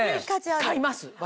私買います。